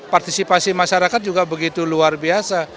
partisipasi masyarakat juga begitu luar biasa